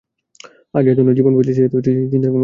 আর যেহেতু নয় জীবন পেয়েছি, সেহেতু চিন্তার কারণ নেই।